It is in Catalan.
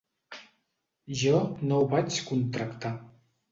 Jo no ho vaig contractar.